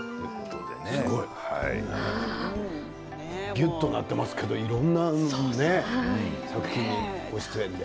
ぎゅっとなってますけどいろんな作品にご出演で。